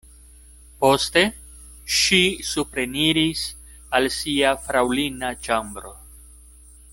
Poste ŝi supreniris al sia fraŭlina ĉambro.